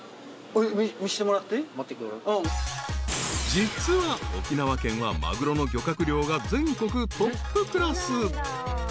［実は沖縄県はマグロの漁獲量が全国トップクラス］